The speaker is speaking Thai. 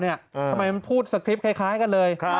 ทำไมมันพูดสคริปต์คล้ายกันเลย